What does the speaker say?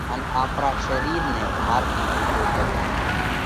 ان آپرا شرِير نئہ ڀار ٿِي هلڪو ڪروو۔